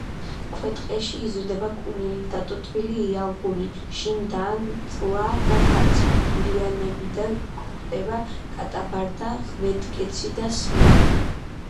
ქვეტყეში იზრდება კუნელი, დატოტვილი იალღუნი, შინდანწლა და ქაცვი, ლიანებიდან გვხვდება: კატაბარდა, ღვედკეცი და სვია.